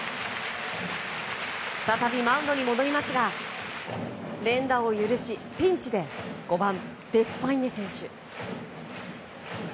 再びマウンドに戻りますが連打を許しピンチで５番、デスパイネ選手。